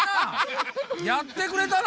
やってくれたな